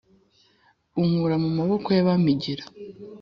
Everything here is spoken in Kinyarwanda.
unkura mu maboko y’abampigira,